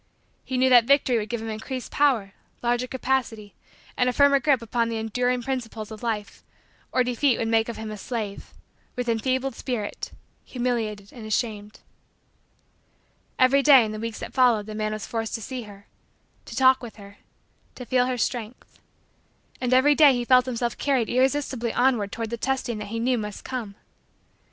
He knew that victory would give him increased power, larger capacity, and a firmer grip upon the enduring principles of life or defeat would make of him a slave, with enfeebled spirit, humiliated and ashamed. Every day, in the weeks that followed, the man was forced to see her to talk with her to feel her strength. And every day he felt himself carried irresistibly onward toward the testing that he knew must come.